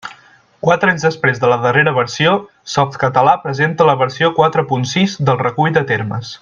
Quatre anys després de la darrera versió, Softcatalà presenta la versió quatre punt sis del Recull de termes.